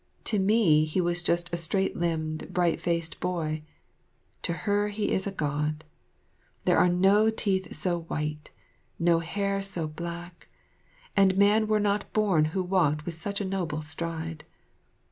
To me he was just a straight limbed, bright faced boy; to her he is a God. There are no teeth so white, no hair so black, and man were not born who walked with such a noble stride.